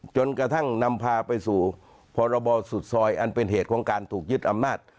จนกระทั่งนำพาไปสู่พรบสุดซอยอันเป็นเหตุของการถูกยึดอำนาจ